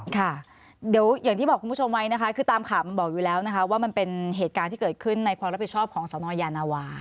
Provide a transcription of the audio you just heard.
ค่ะเดี๋ยวอย่างที่บอกคุณผู้ชมไว้นะคะคือตามข่าวมันบอกอยู่แล้วนะคะว่ามันเป็นเหตุการณ์ที่เกิดขึ้นในความรับผิดชอบของสนยานาวา